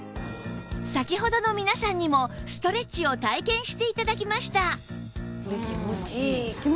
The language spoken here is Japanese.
先ほどの皆さんにもストレッチを体験して頂きました